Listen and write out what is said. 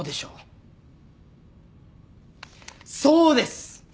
そうです。